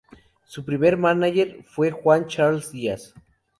Su primer mánager fue Juan Charles Díaz.